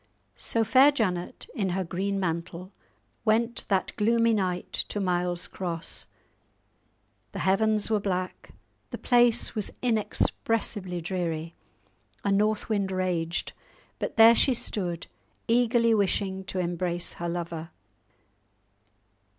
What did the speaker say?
So fair Janet in her green mantle went that gloomy night to Miles Cross. The heavens were black, the place was inexpressibly dreary, a north wind raged; but there she stood, eagerly wishing to embrace her lover.